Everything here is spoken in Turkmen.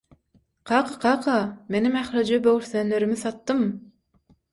– Kaka, kaka! Menem ählije böwürslenlerimi satdym.